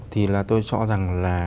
thì là tôi cho rằng là